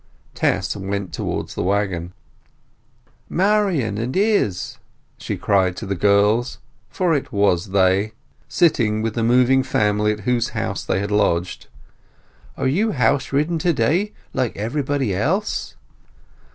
Tess went towards the waggon. "Marian and Izz!" she cried to the girls, for it was they, sitting with the moving family at whose house they had lodged. "Are you house ridding to day, like everybody else?"